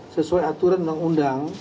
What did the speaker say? sesuai aturan undang undang